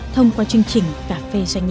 thông qua chương trình cà phê doanh nhân